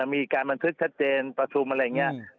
มีการบันทึกชัดเจนประชุมอะไรอย่างนี้